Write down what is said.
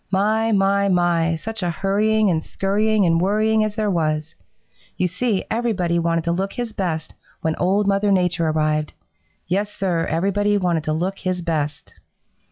My, my, my, such a hurrying and scurrying and worrying as there was! You see, everybody wanted to look his best when Old Mother Nature arrived, Yes, Sir, everybody wanted to look his best.